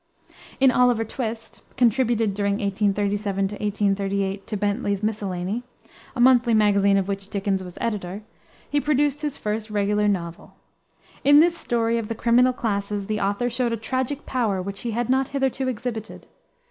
In Oliver Twist, contributed, during 1837 1838, to Bentley's Miscellany, a monthly magazine of which Dickens was editor, he produced his first regular novel. In this story of the criminal classes the author showed a tragic power which he had not hitherto exhibited.